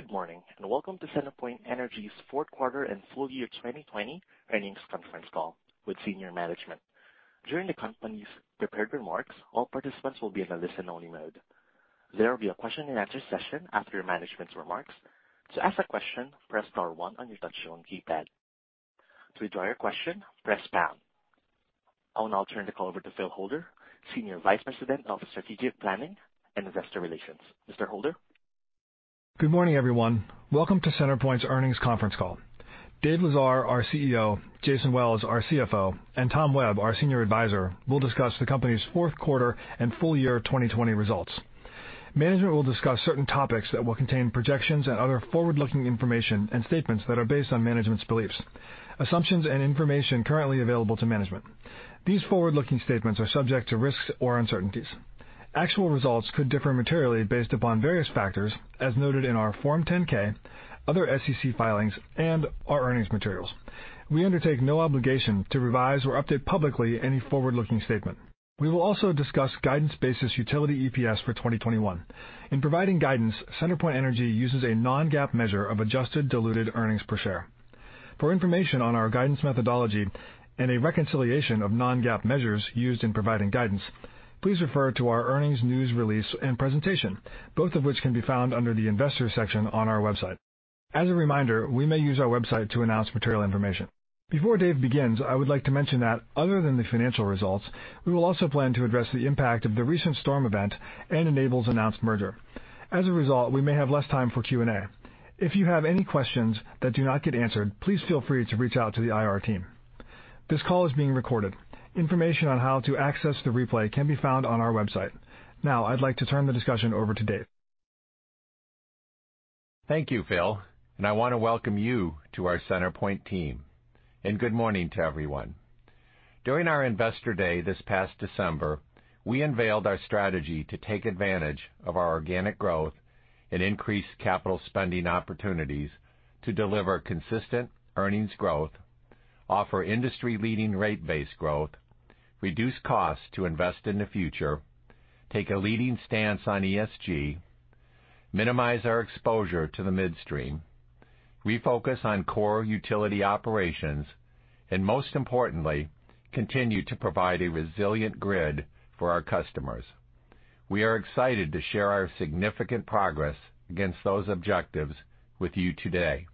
Good morning, and welcome to CenterPoint Energy's fourth quarter and full year 2020 earnings conference call with senior management. During the company's prepared remarks, all participants will be in a listen-only mode. There will be a question and answer session after management's remarks. To ask a question, press star one on your touch-tone keypad. To withdraw your question, press pound. I'll now turn the call over to Philip Holder, senior vice president of strategic planning and investor relations. Mr. Holder? Good morning, everyone. Welcome to CenterPoint's earnings conference call. Dave Lesar, our CEO; Jason Wells, our CFO; and Tom Webb, our senior advisor, will discuss the company's fourth quarter and full year 2020 results. Management will discuss certain topics that will contain projections and other forward-looking information and statements that are based on management's beliefs, assumptions, and information currently available to management. These forward-looking statements are subject to risks or uncertainties. Actual results could differ materially based upon various factors as noted in our Form 10-K, other SEC filings, and our earnings materials. We undertake no obligation to revise or update publicly any forward-looking statement. We will also discuss guidance-based utility EPS for 2021. In providing guidance, CenterPoint Energy uses a non-GAAP measure of adjusted diluted earnings per share. For information on our guidance methodology and a reconciliation of non-GAAP measures used in providing guidance, please refer to our earnings news release and presentation, both of which can be found under the investor section on our website. As a reminder, we may use our website to announce material information. Before Dave begins, I would like to mention that other than the financial results, we will also plan to address the impact of the recent storm event and Enable's announced merger. As a result, we may have less time for Q&A. If you have any questions that do not get answered, please feel free to reach out to the IR team. This call is being recorded. Information on how to access the replay can be found on our website. Now, I'd like to turn the discussion over to Dave. Thank you, Phil. I want to welcome you to our CenterPoint team. Good morning to everyone. During our Investor Day this past December, we unveiled our strategy to take advantage of our organic growth and increase capital spending opportunities to deliver consistent earnings growth, offer industry-leading rate base growth, reduce costs to invest in the future, take a leading stance on ESG, minimize our exposure to the midstream, refocus on core utility operations, and most importantly, continue to provide a resilient grid for our customers. We are excited to share our significant progress against those objectives with you today.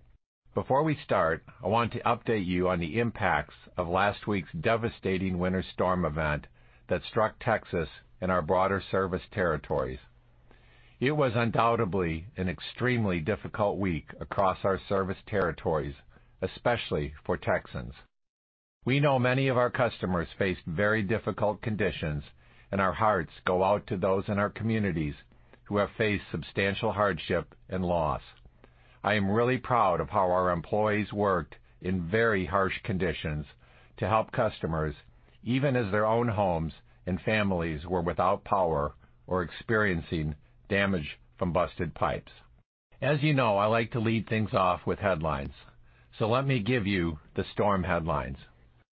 Before we start, I want to update you on the impacts of last week's devastating winter storm event that struck Texas and our broader service territories. It was undoubtedly an extremely difficult week across our service territories, especially for Texans. We know many of our customers faced very difficult conditions, and our hearts go out to those in our communities who have faced substantial hardship and loss. I am really proud of how our employees worked in very harsh conditions to help customers, even as their own homes and families were without power or experiencing damage from busted pipes. As you know, I like to lead things off with headlines. Let me give you the storm headlines.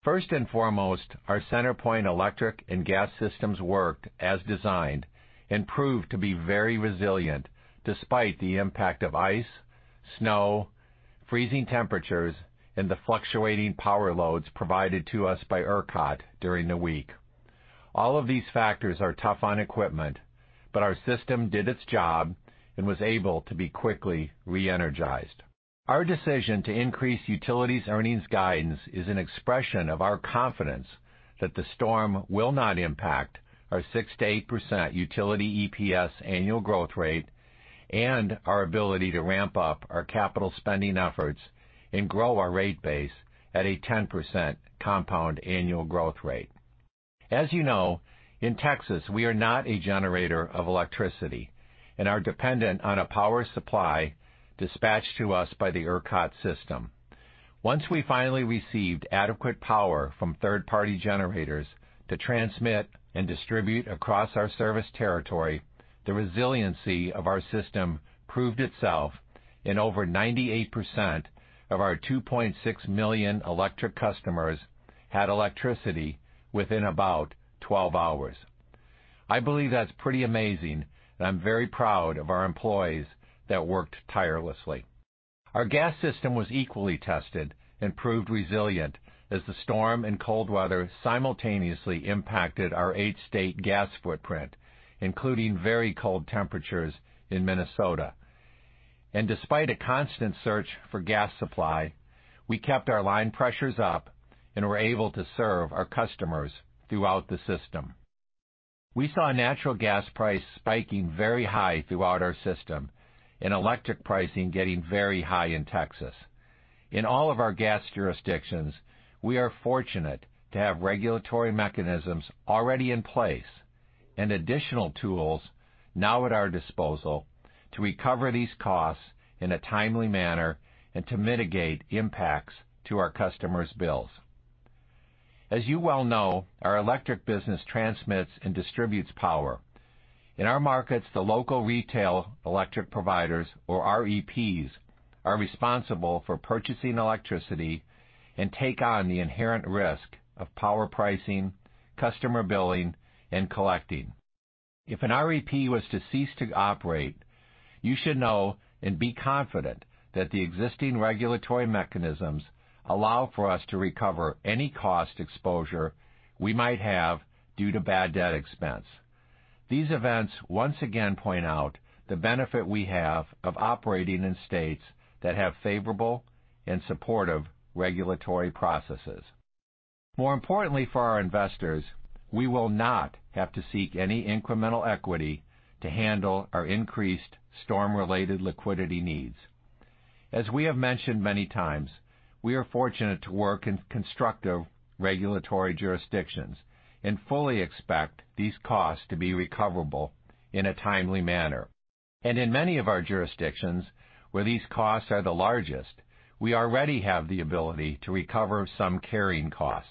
First and foremost, our CenterPoint electric and gas systems worked as designed and proved to be very resilient despite the impact of ice, snow, freezing temperatures, and the fluctuating power loads provided to us by ERCOT during the week. All of these factors are tough on equipment, but our system did its job and was able to be quickly re-energized. Our decision to increase utilities earnings guidance is an expression of our confidence that the storm will not impact our 6%-8% utility EPS annual growth rate and our ability to ramp up our capital spending efforts and grow our rate base at a 10% compound annual growth rate. As you know, in Texas, we are not a generator of electricity and are dependent on a power supply dispatched to us by the ERCOT system. Once we finally received adequate power from third-party generators to transmit and distribute across our service territory, the resiliency of our system proved itself, and over 98% of our 2.6 million electric customers had electricity within about 12 hours. I believe that's pretty amazing, and I'm very proud of our employees that worked tirelessly. Our gas system was equally tested and proved resilient as the storm and cold weather simultaneously impacted our eight-state gas footprint, including very cold temperatures in Minnesota. Despite a constant search for gas supply, we kept our line pressures up and were able to serve our customers throughout the system. We saw natural gas price spiking very high throughout our system, and electric pricing getting very high in Texas. In all of our gas jurisdictions, we are fortunate to have regulatory mechanisms already in place and additional tools now at our disposal to recover these costs in a timely manner and to mitigate impacts to our customers' bills. As you well know, our electric business transmits and distributes power. In our markets, the local Retail Electric Providers or REPs are responsible for purchasing electricity and take on the inherent risk of power pricing, customer billing, and collecting. If an REP was to cease to operate, you should know and be confident that the existing regulatory mechanisms allow for us to recover any cost exposure we might have due to bad debt expense. These events once again point out the benefit we have of operating in states that have favorable and supportive regulatory processes. More importantly for our investors, we will not have to seek any incremental equity to handle our increased storm-related liquidity needs. As we have mentioned many times, we are fortunate to work in constructive regulatory jurisdictions and fully expect these costs to be recoverable in a timely manner. In many of our jurisdictions where these costs are the largest, we already have the ability to recover some carrying costs.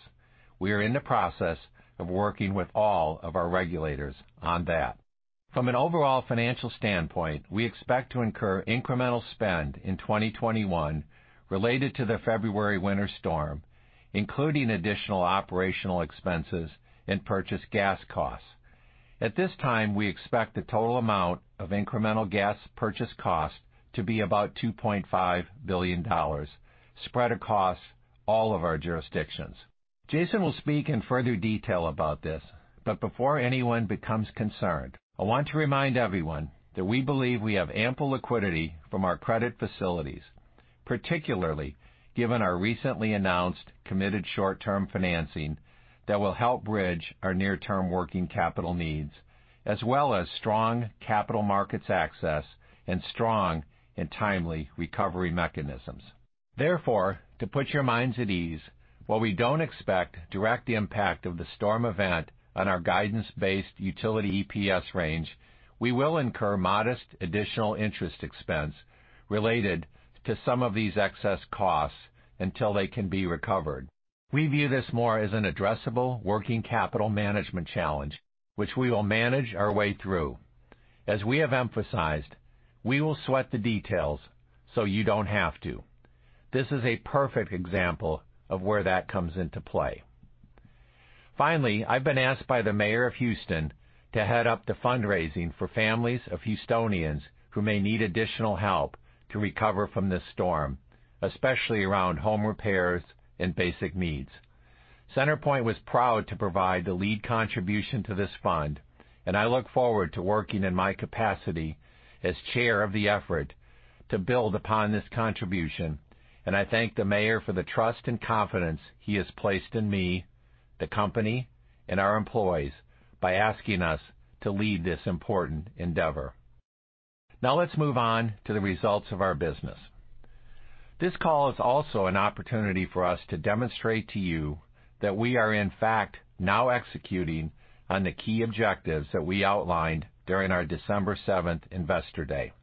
We are in the process of working with all of our regulators on that. From an overall financial standpoint, we expect to incur incremental spend in 2021 related to the February winter storm, including additional operational expenses and purchased gas costs. At this time, we expect the total amount of incremental gas purchase cost to be about $2.5 billion, spread across all of our jurisdictions. Jason will speak in further detail about this, but before anyone becomes concerned, I want to remind everyone that we believe we have ample liquidity from our credit facilities, particularly given our recently announced committed short-term financing that will help bridge our near-term working capital needs, as well as strong capital markets access and strong and timely recovery mechanisms. Therefore, to put your minds at ease, while we don't expect direct impact of the storm event on our guidance-based utility EPS range, we will incur modest additional interest expense related to some of these excess costs until they can be recovered. We view this more as an addressable working capital management challenge, which we will manage our way through. As we have emphasized, we will sweat the details so you don't have to. This is a perfect example of where that comes into play. Finally, I've been asked by the mayor of Houston to head up the fundraising for families of Houstonians who may need additional help to recover from this storm, especially around home repairs and basic needs. CenterPoint was proud to provide the lead contribution to this fund, and I look forward to working in my capacity as chair of the effort to build upon this contribution, and I thank the mayor for the trust and confidence he has placed in me, the company, and our employees by asking us to lead this important endeavor. Now let's move on to the results of our business. This call is also an opportunity for us to demonstrate to you that we are, in fact, now executing on the key objectives that we outlined during our December 7th investor day.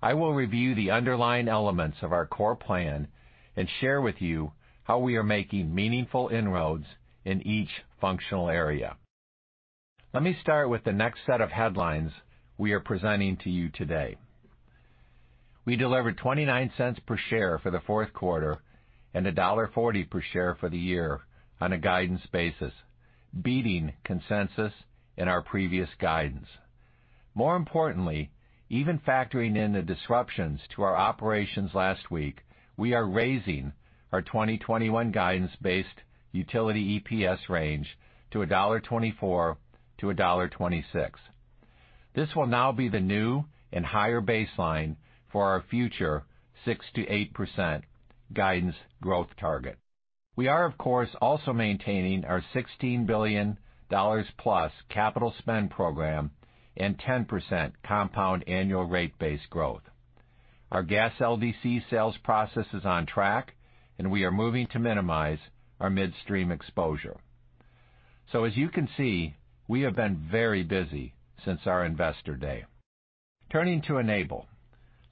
I will review the underlying elements of our core plan and share with you how we are making meaningful inroads in each functional area. Let me start with the next set of headlines we are presenting to you today. We delivered $0.29 per share for the fourth quarter and $1.40 per share for the year on a guidance basis, beating consensus and our previous guidance. More importantly, even factoring in the disruptions to our operations last week, we are raising our 2021 guidance-based utility EPS range to $1.24-$1.26. This will now be the new and higher baseline for our future 6%-8% guidance growth target. We are, of course, also maintaining our $16 billion-plus capital spend program and 10% compound annual rate base growth. Our gas LDC sales process is on track, and we are moving to minimize our midstream exposure. As you can see, we have been very busy since our investor day. Turning to Enable,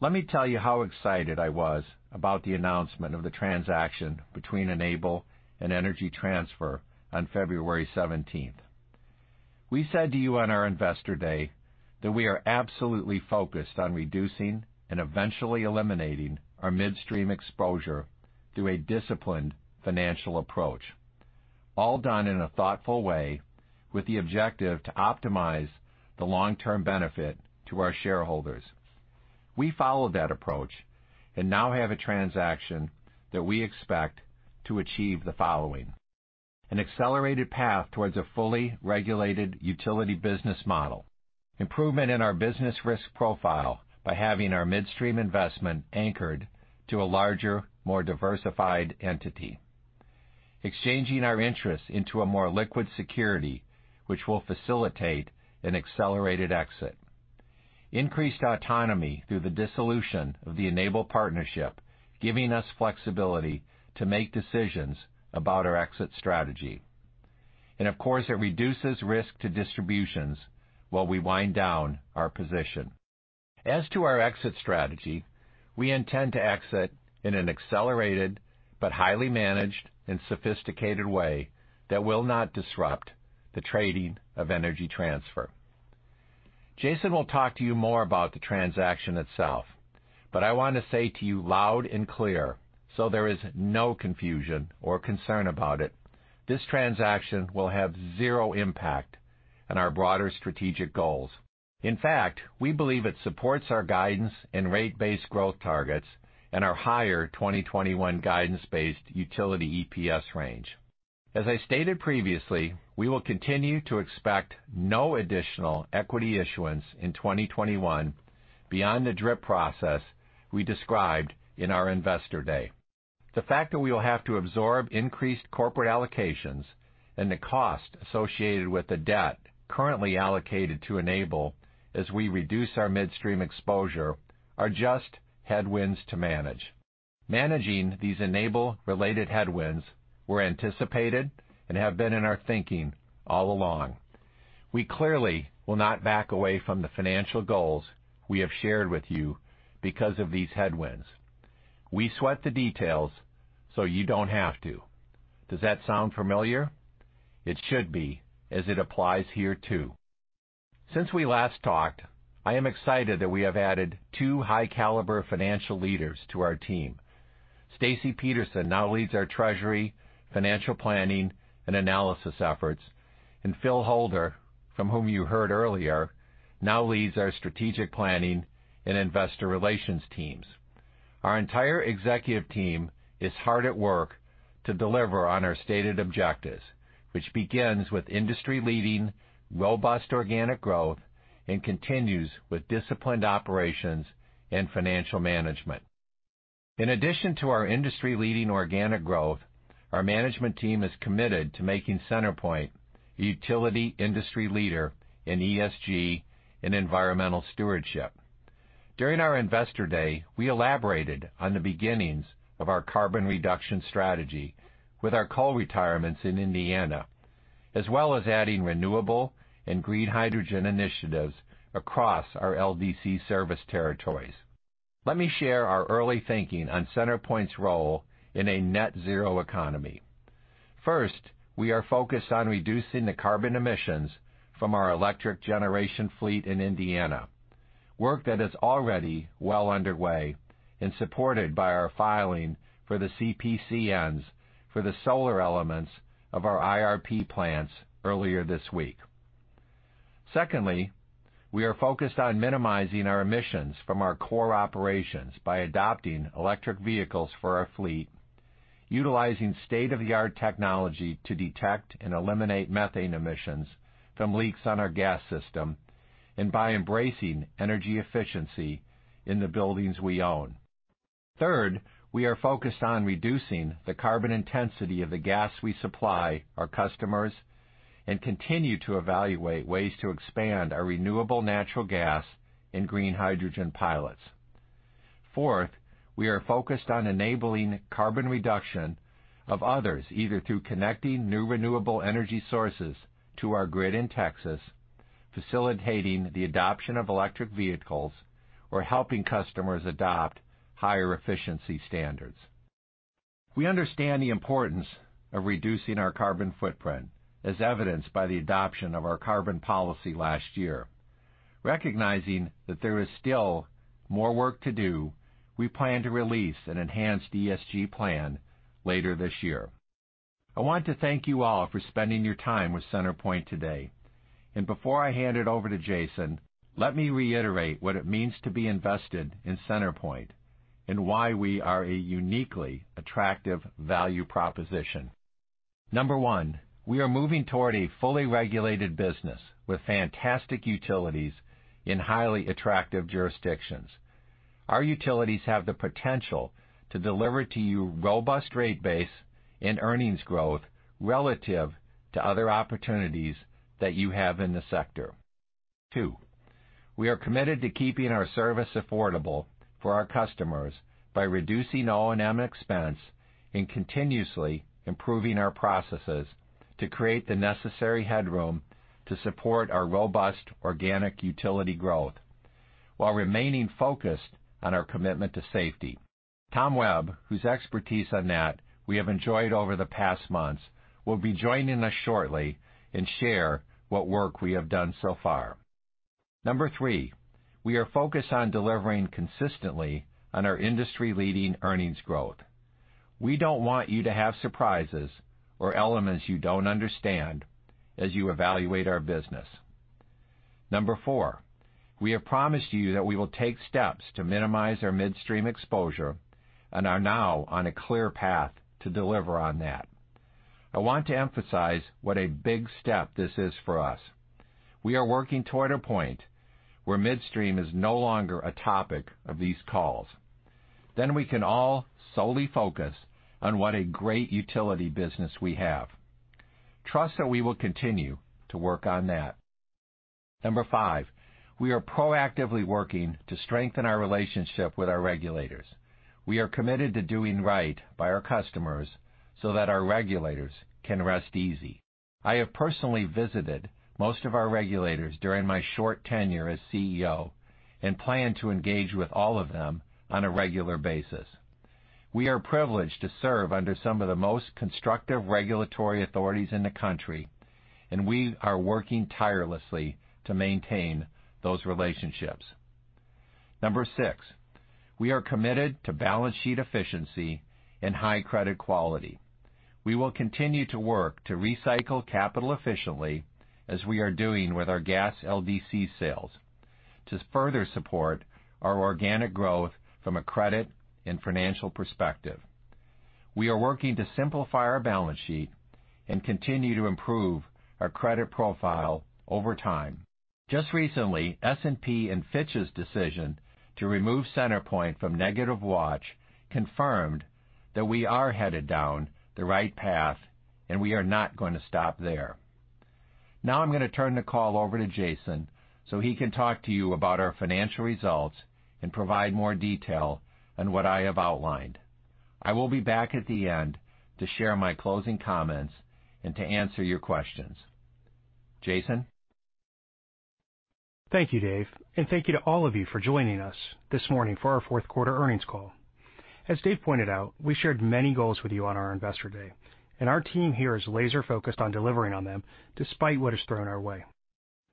let me tell you how excited I was about the announcement of the transaction between Enable and Energy Transfer on February 17th. We said to you on our investor day that we are absolutely focused on reducing and eventually eliminating our midstream exposure through a disciplined financial approach, all done in a thoughtful way with the objective to optimize the long-term benefit to our shareholders. We followed that approach and now have a transaction that we expect to achieve the following. An accelerated path towards a fully regulated utility business model. Improvement in our business risk profile by having our midstream investment anchored to a larger, more diversified entity. Exchanging our interest into a more liquid security, which will facilitate an accelerated exit. Increased autonomy through the dissolution of the Enable partnership, giving us flexibility to make decisions about our exit strategy. Of course, it reduces risk to distributions while we wind down our position. As to our exit strategy, we intend to exit in an accelerated but highly managed and sophisticated way that will not disrupt the trading of Energy Transfer. Jason will talk to you more about the transaction itself, but I want to say to you loud and clear, so there is no confusion or concern about it, this transaction will have zero impact on our broader strategic goals. In fact, we believe it supports our guidance and rate-based growth targets and our higher 2021 guidance-based utility EPS range. As I stated previously, we will continue to expect no additional equity issuance in 2021 beyond the DRIP process we described in our Investor Day. The fact that we will have to absorb increased corporate allocations and the cost associated with the debt currently allocated to Enable as we reduce our midstream exposure are just headwinds to manage. Managing these Enable-related headwinds were anticipated and have been in our thinking all along. We clearly will not back away from the financial goals we have shared with you because of these headwinds. We sweat the details so you don't have to. Does that sound familiar? It should be, as it applies here, too. Since we last talked, I am excited that we have added two high-caliber financial leaders to our team. Stacey Peterson now leads our treasury, financial planning, and analysis efforts, and Phil Holder, from whom you heard earlier, now leads our strategic planning and investor relations teams. Our entire executive team is hard at work to deliver on our stated objectives, which begins with industry-leading robust organic growth and continues with disciplined operations and financial management. In addition to our industry-leading organic growth, our management team is committed to making CenterPoint a utility industry leader in ESG and environmental stewardship. During our Investor Day, we elaborated on the beginnings of our carbon reduction strategy with our coal retirements in Indiana, as well as adding renewable and green hydrogen initiatives across our LDC service territories. Let me share our early thinking on CenterPoint's role in a net zero economy. First, we are focused on reducing the carbon emissions from our electric generation fleet in Indiana, work that is already well underway and supported by our filing for the CPCNs for the solar elements of our IRP plans earlier this week. Secondly, we are focused on minimizing our emissions from our core operations by adopting electric vehicles for our fleet, utilizing state-of-the-art technology to detect and eliminate methane emissions from leaks on our gas system, and by embracing energy efficiency in the buildings we own. Third, we are focused on reducing the carbon intensity of the gas we supply our customers and continue to evaluate ways to expand our renewable natural gas and green hydrogen pilots. Fourth, we are focused on enabling carbon reduction of others, either through connecting new renewable energy sources to our grid in Texas, facilitating the adoption of electric vehicles, or helping customers adopt higher efficiency standards. We understand the importance of reducing our carbon footprint, as evidenced by the adoption of our carbon policy last year. Recognizing that there is still more work to do, we plan to release an enhanced ESG plan later this year. I want to thank you all for spending your time with CenterPoint today. Before I hand it over to Jason, let me reiterate what it means to be invested in CenterPoint and why we are a uniquely attractive value proposition. Number one, we are moving toward a fully regulated business with fantastic utilities in highly attractive jurisdictions. Our utilities have the potential to deliver to you robust rate base and earnings growth relative to other opportunities that you have in the sector. Two, we are committed to keeping our service affordable for our customers by reducing O&M expense and continuously improving our processes to create the necessary headroom to support our robust organic utility growth while remaining focused on our commitment to safety. Tom Webb, whose expertise on that we have enjoyed over the past months, will be joining us shortly and share what work we have done so far. Number three, we are focused on delivering consistently on our industry-leading earnings growth. We don't want you to have surprises or elements you don't understand as you evaluate our business. Number four, we have promised you that we will take steps to minimize our midstream exposure and are now on a clear path to deliver on that. I want to emphasize what a big step this is for us. We are working toward a point where midstream is no longer a topic of these calls. We can all solely focus on what a great utility business we have. Trust that we will continue to work on that. Number five, we are proactively working to strengthen our relationship with our regulators. We are committed to doing right by our customers so that our regulators can rest easy. I have personally visited most of our regulators during my short tenure as CEO and plan to engage with all of them on a regular basis. We are privileged to serve under some of the most constructive regulatory authorities in the country, and we are working tirelessly to maintain those relationships. Number six, we are committed to balance sheet efficiency and high credit quality. We will continue to work to recycle capital efficiently as we are doing with our gas LDC sales to further support our organic growth from a credit and financial perspective. We are working to simplify our balance sheet and continue to improve our credit profile over time. Just recently, S&P and Fitch's decision to remove CenterPoint from negative watch confirmed that we are headed down the right path. We are not going to stop there. I'm going to turn the call over to Jason so he can talk to you about our financial results and provide more detail on what I have outlined. I will be back at the end to share my closing comments and to answer your questions. Jason? Thank you, Dave, thank you to all of you for joining us this morning for our fourth quarter earnings call. As Dave pointed out, we shared many goals with you on our investor day, and our team here is laser-focused on delivering on them, despite what is thrown our way.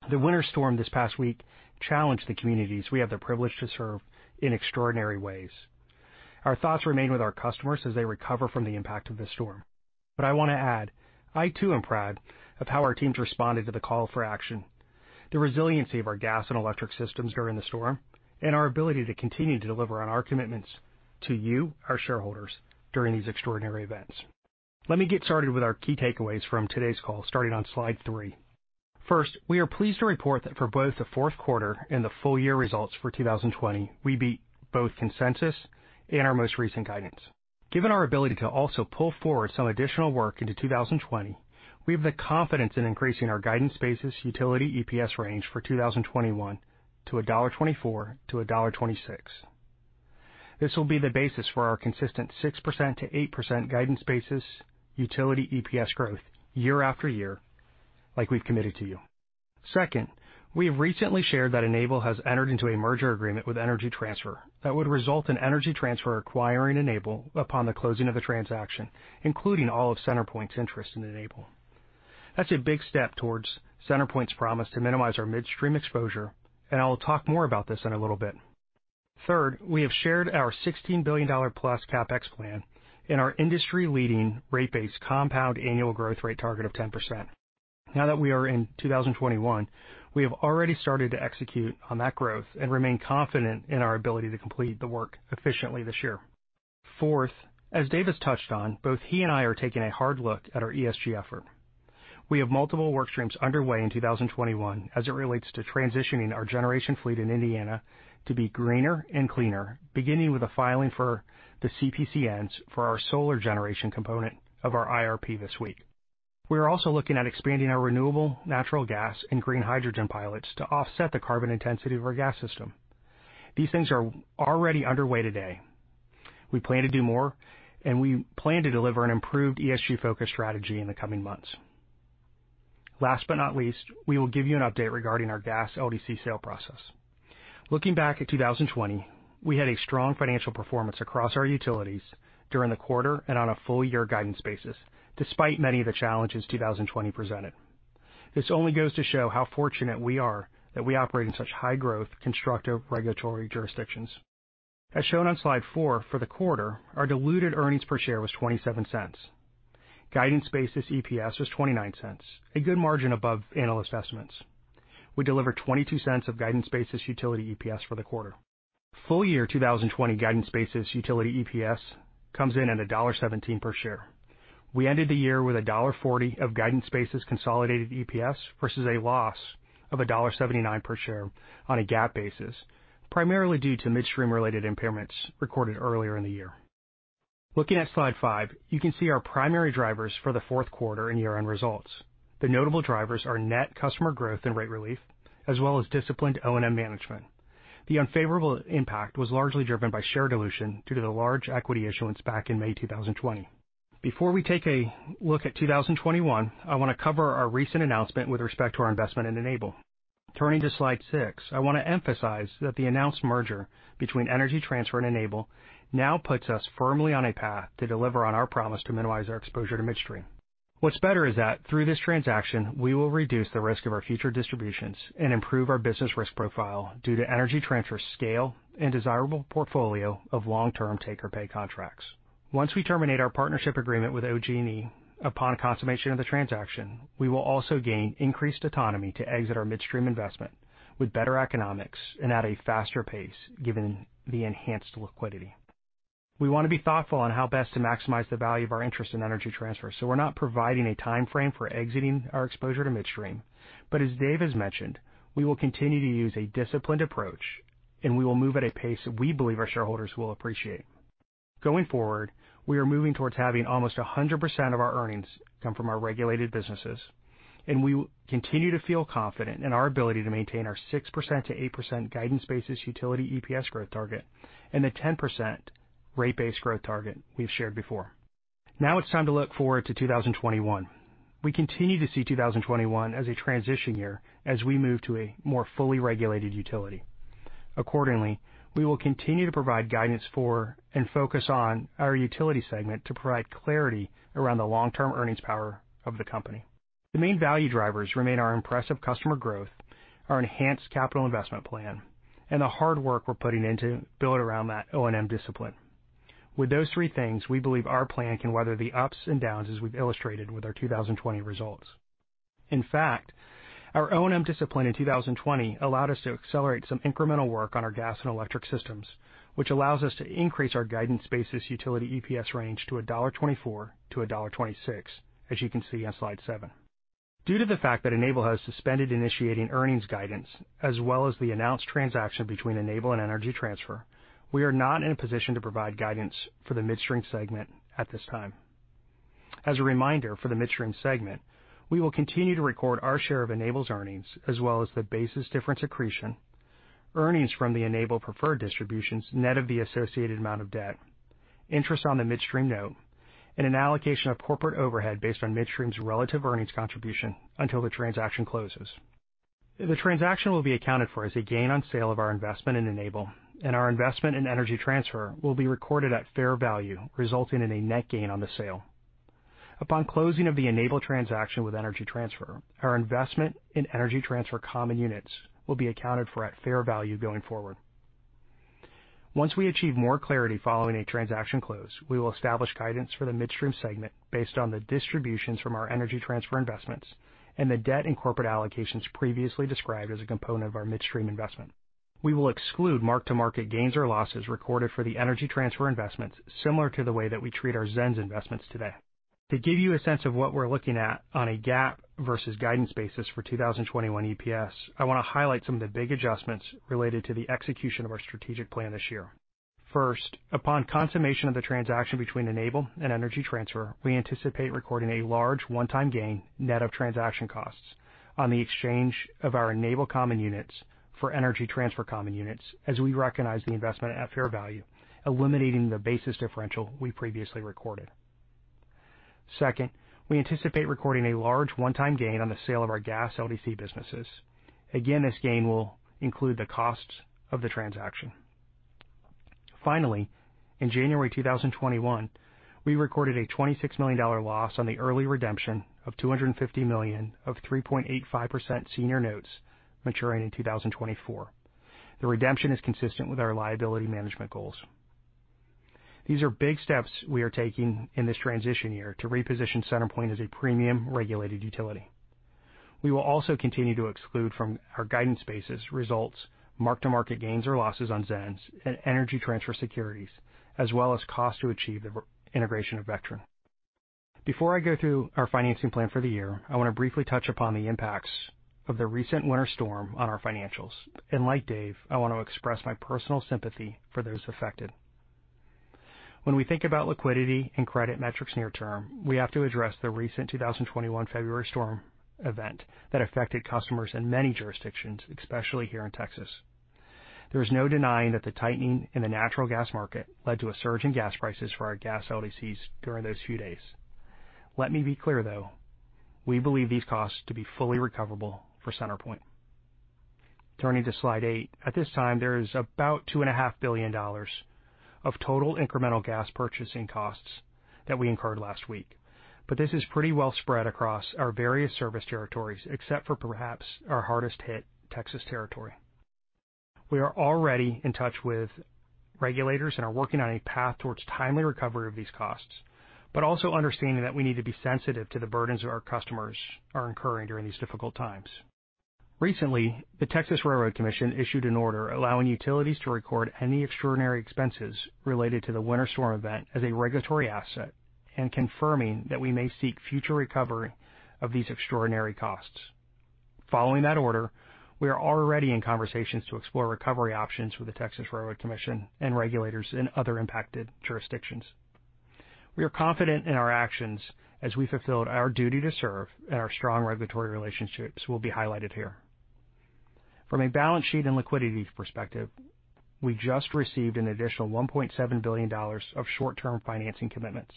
The winter storm this past week challenged the communities we have the privilege to serve in extraordinary ways. Our thoughts remain with our customers as they recover from the impact of this storm. I want to add, I too am proud of how our teams responded to the call for action, the resiliency of our gas and electric systems during the storm, and our ability to continue to deliver on our commitments to you, our shareholders, during these extraordinary events. Let me get started with our key takeaways from today's call, starting on slide three. First, we are pleased to report that for both the fourth quarter and the full year results for 2020, we beat both consensus and our most recent guidance. Given our ability to also pull forward some additional work into 2020, we have the confidence in increasing our guidance basis utility EPS range for 2021 to $1.24-$1.26. This will be the basis for our consistent 6%-8% guidance basis utility EPS growth year-after-year, like we've committed to you. Second, we have recently shared that Enable has entered into a merger agreement with Energy Transfer that would result in Energy Transfer acquiring Enable upon the closing of the transaction, including all of CenterPoint's interest in Enable. That's a big step towards CenterPoint's promise to minimize our midstream exposure, and I will talk more about this in a little bit. Third, we have shared our $16 billion-plus CapEx plan and our industry-leading rate base compound annual growth rate target of 10%. Now that we are in 2021, we have already started to execute on that growth and remain confident in our ability to complete the work efficiently this year. Fourth, as Dave has touched on, both he and I are taking a hard look at our ESG effort. We have multiple work streams underway in 2021 as it relates to transitioning our generation fleet in Indiana to be greener and cleaner, beginning with a filing for the CPCNs for our solar generation component of our IRP this week. We are also looking at expanding our renewable natural gas and green hydrogen pilots to offset the carbon intensity of our gas system. These things are already underway today. We plan to do more, and we plan to deliver an improved ESG-focused strategy in the coming months. Last but not least, we will give you an update regarding our gas LDC sale process. Looking back at 2020, we had a strong financial performance across our utilities during the quarter and on a full year guidance basis, despite many of the challenges 2020 presented. This only goes to show how fortunate we are that we operate in such high-growth, constructive regulatory jurisdictions. As shown on slide four, for the quarter, our diluted earnings per share was $0.27. Guidance basis EPS was $0.29, a good margin above analyst estimates. We delivered $0.22 of guidance basis utility EPS for the quarter. Full year 2020 guidance basis utility EPS comes in at $1.17 per share. We ended the year with $1.40 of guidance-basis consolidated EPS versus a loss of $1.79 per share on a GAAP basis, primarily due to midstream-related impairments recorded earlier in the year. Looking at slide five, you can see our primary drivers for the fourth quarter and year-end results. The notable drivers are net customer growth and rate relief, as well as disciplined O&M management. The unfavorable impact was largely driven by share dilution due to the large equity issuance back in May 2020. Before we take a look at 2021, I want to cover our recent announcement with respect to our investment in Enable. Turning to slide six, I want to emphasize that the announced merger between Energy Transfer and Enable now puts us firmly on a path to deliver on our promise to minimize our exposure to midstream. What's better is that through this transaction, we will reduce the risk of our future distributions and improve our business risk profile due to Energy Transfer's scale and desirable portfolio of long-term take-or-pay contracts. Once we terminate our partnership agreement with OGE upon consummation of the transaction, we will also gain increased autonomy to exit our midstream investment with better economics and at a faster pace, given the enhanced liquidity. We want to be thoughtful on how best to maximize the value of our interest in Energy Transfer, so we're not providing a time frame for exiting our exposure to midstream. But as Dave has mentioned, we will continue to use a disciplined approach, and we will move at a pace that we believe our shareholders will appreciate. Going forward, we are moving towards having almost 100% of our earnings come from our regulated businesses, and we will continue to feel confident in our ability to maintain our 6%-8% guidance-basis utility EPS growth target and the 10% rate-based growth target we've shared before. Now it's time to look forward to 2021. We continue to see 2021 as a transition year as we move to a more fully regulated utility. Accordingly, we will continue to provide guidance for and focus on our utility segment to provide clarity around the long-term earnings power of the company. The main value drivers remain our impressive customer growth, our enhanced capital investment plan, and the hard work we're putting in to build around that O&M discipline. With those three things, we believe our plan can weather the ups and downs as we've illustrated with our 2020 results. In fact, our O&M discipline in 2020 allowed us to accelerate some incremental work on our gas and electric systems, which allows us to increase our guidance-based utility EPS range to $1.24-$1.26 as you can see on slide seven. Due to the fact that Enable has suspended initiating earnings guidance as well as the announced transaction between Enable and Energy Transfer, we are not in a position to provide guidance for the midstream segment at this time. As a reminder for the midstream segment, we will continue to record our share of Enable's earnings as well as the basis difference accretion, earnings from the Enable preferred distributions net of the associated amount of debt, interest on the midstream note, and an allocation of corporate overhead based on midstream's relative earnings contribution until the transaction closes. The transaction will be accounted for as a gain on sale of our investment in Enable, and our investment in Energy Transfer will be recorded at fair value, resulting in a net gain on the sale. Upon closing of the Enable transaction with Energy Transfer, our investment in Energy Transfer common units will be accounted for at fair value going forward. Once we achieve more clarity following a transaction close, we will establish guidance for the midstream segment based on the distributions from our Energy Transfer investments and the debt and corporate allocations previously described as a component of our midstream investment. We will exclude mark-to-market gains or losses recorded for the Energy Transfer investments, similar to the way that we treat our ZENS investments today. To give you a sense of what we're looking at on a GAAP versus guidance basis for 2021 EPS, I want to highlight some of the big adjustments related to the execution of our strategic plan this year. First, upon consummation of the transaction between Enable and Energy Transfer, we anticipate recording a large one-time gain net of transaction costs on the exchange of our Enable common units for Energy Transfer common units as we recognize the investment at fair value, eliminating the basis differential we previously recorded. Second, we anticipate recording a large one-time gain on the sale of our gas LDC businesses. Again, this gain will include the costs of the transaction. Finally, in January 2021, we recorded a $26 million loss on the early redemption of $250 million of 3.85% senior notes maturing in 2024. The redemption is consistent with our liability management goals. These are big steps we are taking in this transition year to reposition CenterPoint as a premium regulated utility. We will also continue to exclude from our guidance-based results mark-to-market gains or losses on ZENS and Energy Transfer securities, as well as costs to achieve the integration of Vectren. Before I go through our financing plan for the year, I want to briefly touch upon the impacts of the recent winter storm on our financials, and like Dave, I want to express my personal sympathy for those affected. When we think about liquidity and credit metrics near term, we have to address the recent 2021 February storm event that affected customers in many jurisdictions, especially here in Texas. There is no denying that the tightening in the natural gas market led to a surge in gas prices for our gas LDCs during those few days. Let me be clear, though; we believe these costs to be fully recoverable for CenterPoint. Turning to slide eight. At this time, there is about $2.5 billion of total incremental gas purchasing costs that we incurred last week, but this is pretty well spread across our various service territories, except for perhaps our hardest-hit Texas territory. We are already in touch with regulators and are working on a path towards timely recovery of these costs, but also understanding that we need to be sensitive to the burdens our customers are incurring during these difficult times. Recently, the Texas Railroad Commission issued an order allowing utilities to record any extraordinary expenses related to the winter storm event as a regulatory asset and confirming that we may seek future recovery of these extraordinary costs. Following that order, we are already in conversations to explore recovery options with the Texas Railroad Commission and regulators in other impacted jurisdictions. We are confident in our actions as we fulfilled our duty to serve, and our strong regulatory relationships will be highlighted here. From a balance sheet and liquidity perspective, we just received an additional $1.7 billion of short-term financing commitments.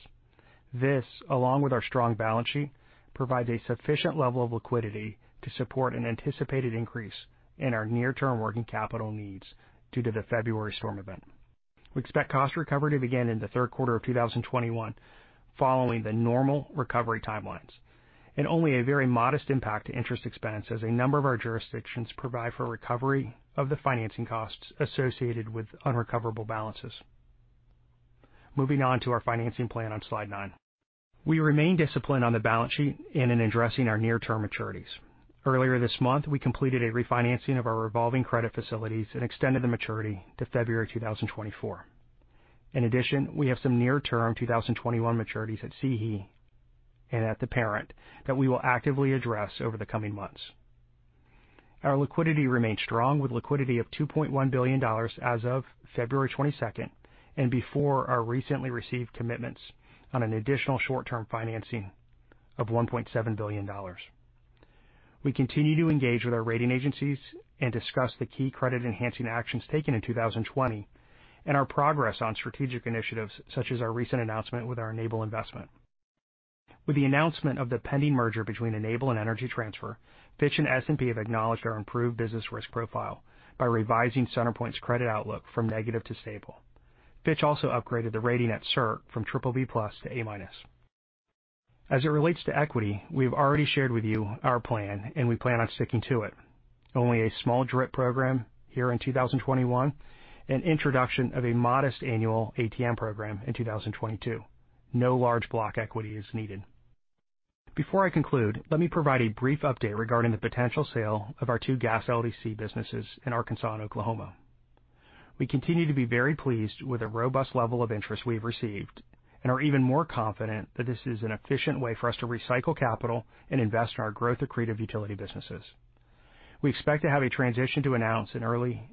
This, along with our strong balance sheet, provides a sufficient level of liquidity to support an anticipated increase in our near-term working capital needs due to the February storm event. We expect cost recovery to begin in the third quarter of 2021 following the normal recovery timelines and only a very modest impact to interest expense as a number of our jurisdictions provide for recovery of the financing costs associated with unrecoverable balances. Moving on to our financing plan on slide nine. We remain disciplined on the balance sheet and in addressing our near-term maturities. Earlier this month, we completed a refinancing of our revolving credit facilities and extended the maturity to February 2024. In addition, we have some near-term 2021 maturities at CEHE and at the parent that we will actively address over the coming months. Our liquidity remains strong with liquidity of $2.1 billion as of February 22nd and before our recently received commitments on an additional short-term financing of $1.7 billion. We continue to engage with our rating agencies and discuss the key credit-enhancing actions taken in 2020 and our progress on strategic initiatives, such as our recent announcement with our Enable investment. With the announcement of the pending merger between Enable and Energy Transfer, Fitch and S&P have acknowledged our improved business risk profile by revising CenterPoint's credit outlook from negative to stable. Fitch also upgraded the rating at CERC from BBB+ to A-. As it relates to equity, we've already shared with you our plan, and we plan on sticking to it. Only a small DRIP program here in 2021, and introduction of a modest annual ATM program in 2022. No large block equity is needed. Before I conclude, let me provide a brief update regarding the potential sale of our two gas LDC businesses in Arkansas and Oklahoma. We continue to be very pleased with the robust level of interest we've received and are even more confident that this is an efficient way for us to recycle capital and invest in our growth accretive utility businesses. We expect to have a transition to announce in early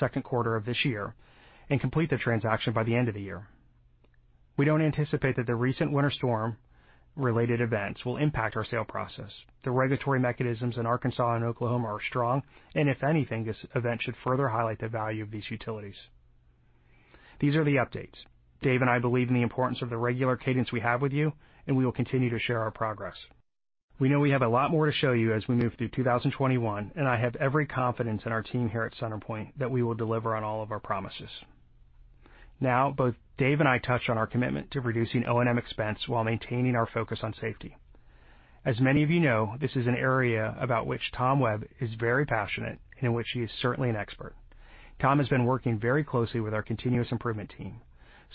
second quarter of this year and complete the transaction by the end of the year. We don't anticipate that the recent winter storm-related events will impact our sale process. The regulatory mechanisms in Arkansas and Oklahoma are strong, and if anything, this event should further highlight the value of these utilities. These are the updates. Dave and I believe in the importance of the regular cadence we have with you, and we will continue to share our progress. We know we have a lot more to show you as we move through 2021, and I have every confidence in our team here at CenterPoint that we will deliver on all of our promises. Now, both Dave and I touched on our commitment to reducing O&M expense while maintaining our focus on safety. As many of you know, this is an area about which Tom Webb is very passionate and in which he is certainly an expert. Tom has been working very closely with our continuous improvement team.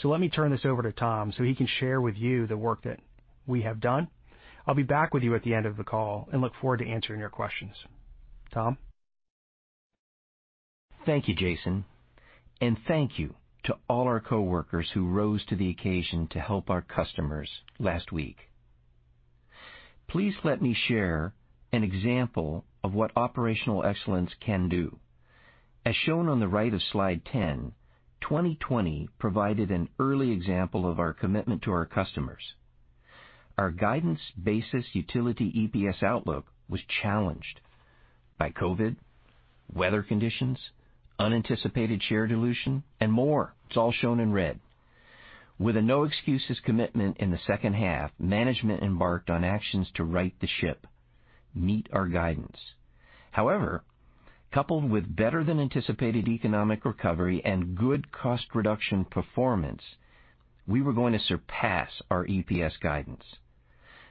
Let me turn this over to Tom so he can share with you the work that we have done. I'll be back with you at the end of the call and look forward to answering your questions. Tom? Thank you, Jason. Thank you to all our coworkers who rose to the occasion to help our customers last week. Please let me share an example of what operational excellence can do. As shown on the right of slide 10, 2020 provided an early example of our commitment to our customers. Our guidance basis utility EPS outlook was challenged by COVID, weather conditions, unanticipated share dilution, and more. It's all shown in red. With a no-excuses commitment in the second half, management embarked on actions to right the ship, meet our guidance. Coupled with better than anticipated economic recovery and good cost reduction performance, we were going to surpass our EPS guidance.